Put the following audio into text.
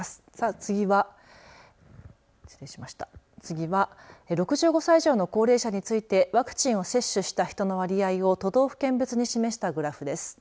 次は６５歳以上の高齢者についてワクチンを接種した人の割合を都道府県別に示したグラフです。